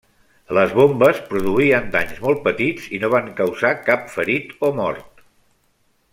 Les bombes produïen danys molt petits i no van causar cap ferit o mort.